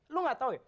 lo gak tau ya